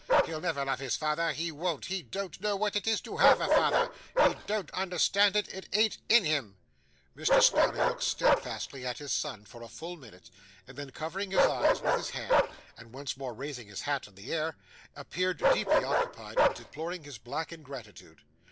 He'll never love his father, he won't. He don't know what it is to have a father. He don't understand it. It an't in him.' Mr. Snawley looked steadfastly at his son for a full minute, and then covering his eyes with his hand, and once more raising his hat in the air, appeared deeply occupied in deploring his black ingratitude.